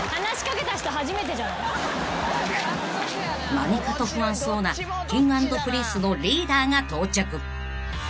［何かと不安そうなＫｉｎｇ＆Ｐｒｉｎｃｅのリーダーが到着］